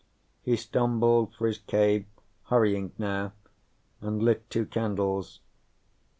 He stumbled for his cave, hurrying now, and lit two candles.